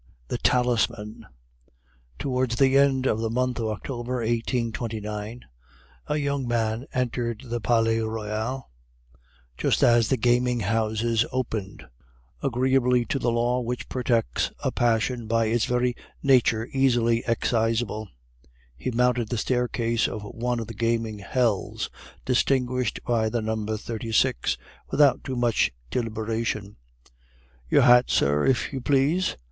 THE TALISMAN Towards the end of the month of October 1829 a young man entered the Palais Royal just as the gaming houses opened, agreeably to the law which protects a passion by its very nature easily excisable. He mounted the staircase of one of the gambling hells distinguished by the number 36, without too much deliberation. "Your hat, sir, if you please?"